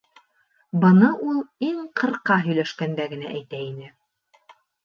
Быны ул иң ҡырҡа һөйләшкәндә генә әйтә ине.